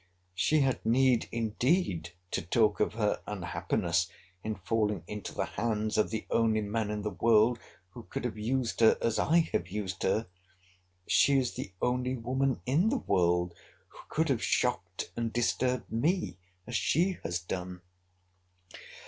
She had need indeed to talk of her unhappiness in falling into the hands of the only man in the world, who could have used her as I have used her—she is the only woman in the world, who could have shocked and disturbed me as she has done.